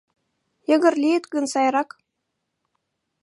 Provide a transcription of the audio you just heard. — Йыгыр лийыт гын, сайрак!